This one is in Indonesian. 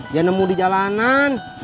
dia nemu di jalanan